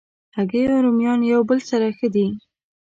هګۍ او رومیان یو بل سره ښه دي.